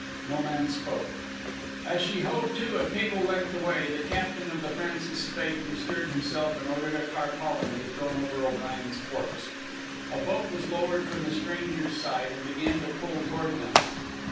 No man spoke. As she hove to, a cable length away, the captain of the Francis Spaight bestirred himself and ordered a tarpaulin to be thrown over O'Brien's corpse. A boat was lowered from the stranger's side and began to pull toward them.